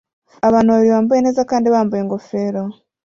Abantu babiri bambaye neza kandi bambaye ingofero